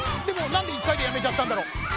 でもなんで１かいでやめちゃったんだろう？